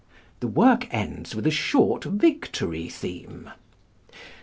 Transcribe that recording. The work ends with a short "Victory theme."